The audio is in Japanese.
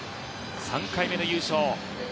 ３回目の優勝。